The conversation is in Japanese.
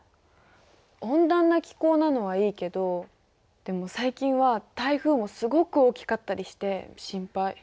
温暖な気候なのはいいけどでも最近は台風もすごく大きかったりして心配。